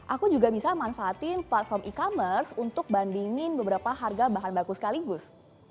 aku juga bisa manfaatin platform e commerce untuk bandingin beberapa harga bahan baku sekaligus